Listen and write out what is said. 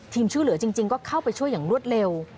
ช่วยเหลือจริงก็เข้าไปช่วยอย่างรวดเร็ว